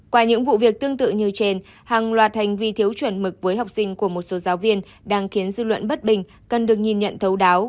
qua những vụ việc tương tự như trên hàng loạt hành vi thiếu chuẩn mực với học sinh của một số giáo viên đang khiến dư luận bất bình cần được nhìn nhận thấu đáo